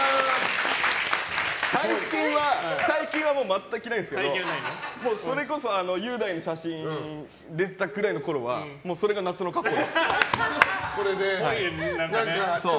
最近は全く着ないんですけどそれこそ雄大の写真のころくらいはそれが夏の格好。